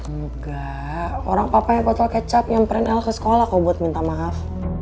enggak orang papanya botol kecap nyamperin el ke sekolah kok buat minta maaf